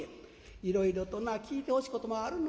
「いろいろとな聞いてほしいこともあるの。